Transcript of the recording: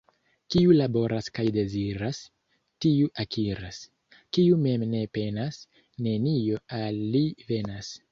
Kiu laboras kaj deziras, tiu akiras, — kiu mem ne penas, nenio al li venas.